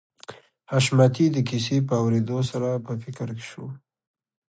حشمتي د کيسې په اورېدو سره په فکر کې شو